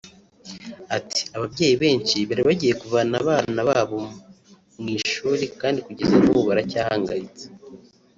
Ati”Ababyeyi benshi bari bagiye kuvana abana babo mu ishuri kandi kugeza n’ubu baracyahangayitse “